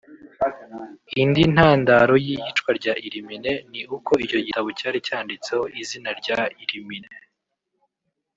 Indi ntandaro y’iyicwa rya Illuminée ni uko icyo gitabo cyari cyanditseho izina rya Illuminée